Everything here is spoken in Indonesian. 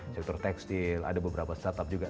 sektor tekstil ada beberapa startup juga